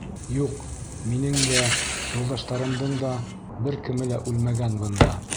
Юҡ, минең дә, юлдаштарымдың да бер кеме лә үлмәгән бында.